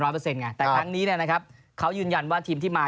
แต่ครั้งนี้เขายืนยันว่าทีมที่มา